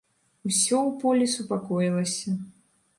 Усё ў полі супакоілася.